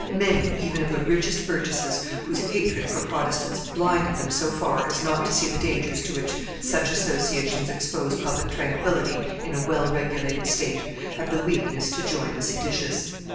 Many, even of the richest burgesses, whose hatred for Protestants blinded them so far as not to see the dangers to which such associations expose public tranquillity in a well regulated state, had the weakness to join the seditious."